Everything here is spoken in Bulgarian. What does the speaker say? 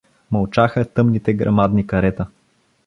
Мълчаха тъмните, грамадни карета.